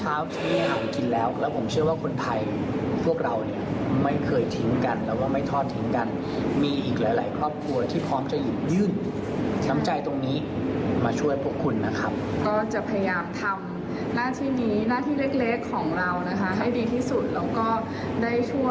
ให้ดีที่สุดแล้วก็ได้ช่วยหลายชุมชนให้มากที่สุด